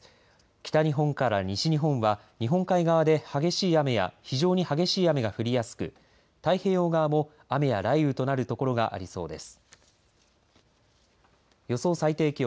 北日本から西日本は日本海側で激しい雨や非常に激しい雨が降りやすく太平洋側も雨や雷雨となるところがありそうです。